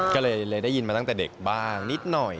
ก็เลยได้ยินมาตั้งแต่เด็กบ้างนิดหน่อย